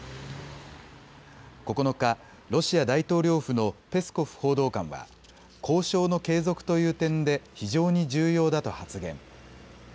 ９日、ロシア大統領府のペスコフ報道官は交渉の継続という点で非常に重要だと発言。